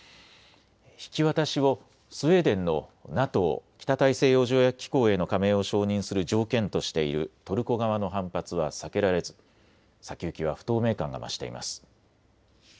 引き渡しをスウェーデンのＮＡＴＯ・北大西洋条約機構への加盟を承認する条件としているトルコ側の反発は避けられず先行きは不透明感が増しています。